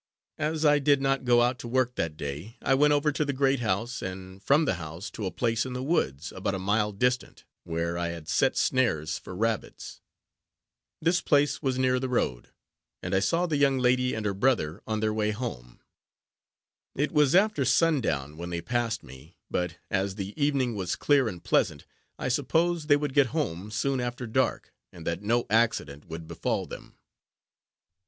As I did not go out to work that day, I went over to the great house, and from the house to a place in the woods, about a mile distant, where I had set snares for rabbits. This place was near the road, and I saw the young lady and her brother on their way home. It was after sundown when they passed me; but, as the evening was clear and pleasant, I supposed they would get home soon after dark, and that no accident would befall them.